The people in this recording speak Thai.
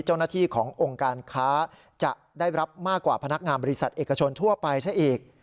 เจ้าหน้าที่ขององค์การค้าจะได้รับมากกว่าพนักงานบริษัทเอกชนทั่วไปซะอีก